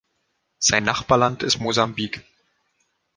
Sein Nachbarland ist Mosambik.